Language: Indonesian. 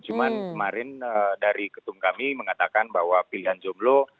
cuma kemarin dari ketum kami mengatakan bahwa pilihan jomblo